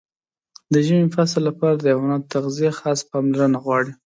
د ژمي فصل لپاره د حیواناتو تغذیه خاصه پاملرنه غواړي.